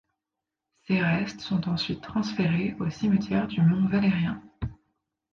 Ses restes sont ensuite transférés au cimetière du Mont-Valérien.